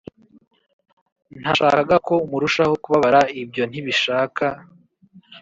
Ntashakaga ko murushaho kubabara ibyo ntibishaka